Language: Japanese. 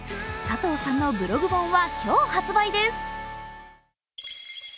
佐藤さんのブログ本は今日発売です。